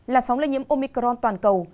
là sống lây nhiễm omicron toàn cầu